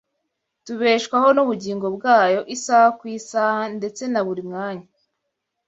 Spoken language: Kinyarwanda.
Tubeshwaho n’ubugingo bwayo isaha ku isaha, ndetse na buri mwanya